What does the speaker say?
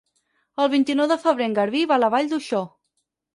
El vint-i-nou de febrer en Garbí va a la Vall d'Uixó.